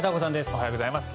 おはようございます。